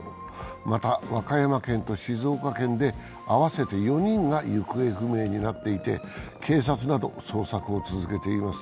また、和歌山県と静岡県で合わせて４人が行方不明になっていて警察などが捜索を続けています。